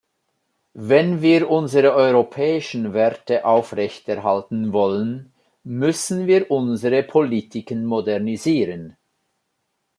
Wenn wir unsere europäischen Werte aufrechterhalten wollen, müssen wir unsere Politiken modernisieren.